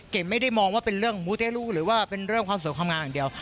ไม่ได้มองว่าเป็นเรื่องมูเต้ลูหรือว่าเป็นเรื่องความสวยความงามอย่างเดียว